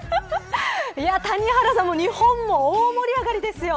谷原さんも日本も大盛り上がりですよ。